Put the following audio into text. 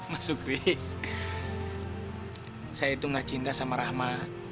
mas sukri saya itu nggak cinta sama rahma